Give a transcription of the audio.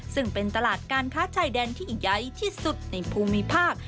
ซึ่งเป็นตลาดการค้าชายแดนที่ใหญ่ที่สุดในภูมิภาค